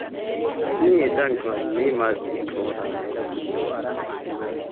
Ne, dankon ne malpli koran, sinjoro.